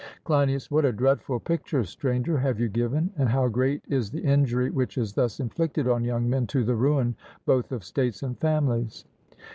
CLEINIAS: What a dreadful picture, Stranger, have you given, and how great is the injury which is thus inflicted on young men to the ruin both of states and families!